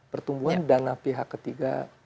pertumbuhan dana pihak ketiga